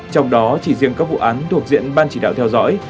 trong đó chỉ riêng các vụ án thuộc diện ban chỉ đạo theo dõi